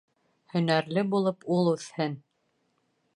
Һөнәрле булып ул үҫһен